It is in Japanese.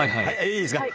いいですか？